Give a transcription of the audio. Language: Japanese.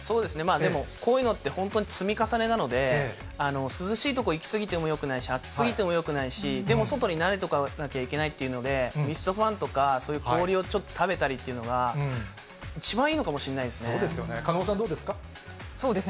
でもこういうのって、本当に積み重ねなので、涼しい所行き過ぎてもよくないし、暑すぎてもよくないし、でも外に慣れとかなきゃいけないというので、ミストファンとかそういう氷をちょっと食べたりっていうのが、そうですよね、狩野さんどうそうですね。